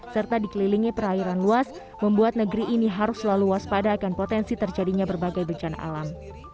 serta dikelilingi perairan luas membuat negeri ini harus selalu waspada akan potensi terjadinya berbagai bencana alam